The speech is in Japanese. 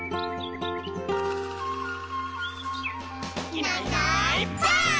「いないいないばあっ！」